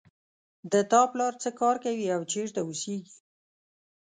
د تا پلار څه کار کوي او چېرته اوسیږي